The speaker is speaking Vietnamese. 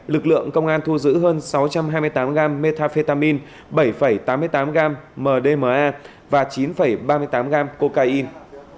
lực lượng công an thu giữ hơn sáu trăm hai mươi tám gram methafetamin bảy tám mươi tám gram mdma và chín ba mươi tám gram cocaine